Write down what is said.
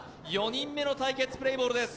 ４人目の対決、プレーボールです。